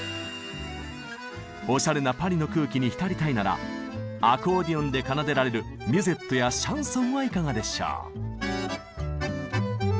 おしゃれなパリの空気に浸りたいならアコーディオンで奏でられるミュゼットやシャンソンはいかがでしょう。